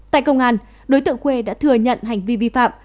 tại công an đối tượng khuê đã thừa nhận hành vi vi phạm